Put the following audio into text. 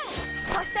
そして！